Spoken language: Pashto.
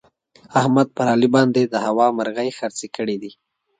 احمد پر علي باندې د هوا مرغۍ خرڅې کړې دي.